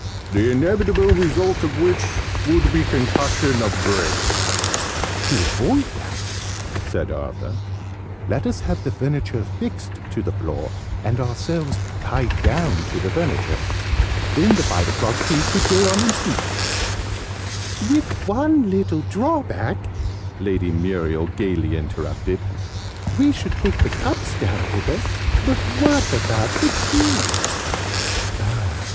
"The inevitable result of which would be concussion of brain." "To avoid that," said Arthur, "let us have the furniture fixed to the floor, and ourselves tied down to the furniture. Then the five o'clock tea could go on in peace." "With one little drawback!" Lady Muriel gaily interrupted. "We should take the cups down with us: but what about the tea?"